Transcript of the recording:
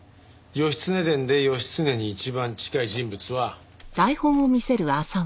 『義経伝』で義経に一番近い人物は。